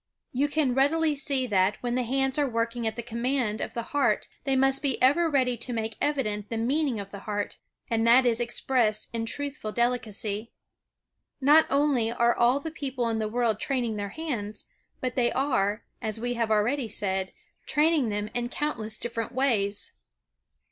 You can readily see that when the hands are working at the command of the heart they must be ever ready to make evident the meaning of the heart, and that is expressed in truthful delicacy. Not only are all the people in the world training their hands, but they are, as we have already said, training them in countless different ways.